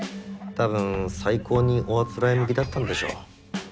多分最高におあつらえ向きだったんでしょう。